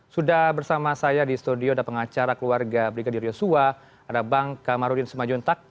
sudah bersama saya di studio ada pengacara keluarga brigadir yosua ada bang kamarudin semajuntak